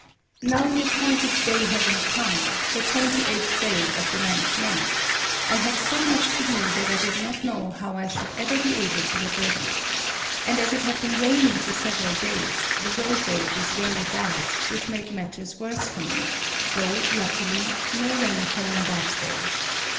Now the appointed day having come — the twenty eighth day of the ninth month — I had so much to do that I did not know how I should ever be able to get ready. And as it had been raining for several days, the roadway was very bad, which made matters worse for me — though, luckily, no rain fell on that day.